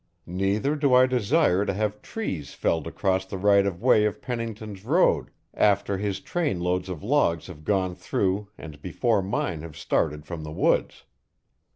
Neither do I desire to have trees felled across the right of way of Pennington's road after his trainloads of logs have gone through and before mine have started from the woods.